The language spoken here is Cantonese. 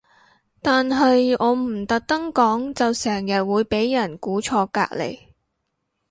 但係我唔特登講就成日會俾人估錯隔離